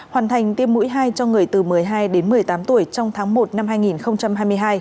hoàn thành tiêm mũi hai cho người từ một mươi hai đến một mươi tám tuổi trong tháng một năm hai nghìn hai mươi hai